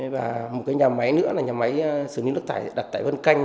và một nhà máy nữa là nhà máy xử lý nước thải đặt tại vân canh